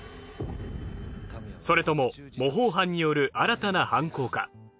それとも模倣犯による新たな犯行か？